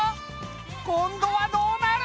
今度はどうなる？